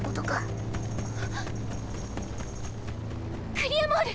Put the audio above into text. グリアモール！